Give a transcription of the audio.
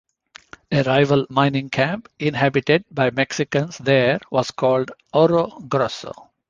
A rival mining camp inhabited by Mexicans there was called Oro Grosso.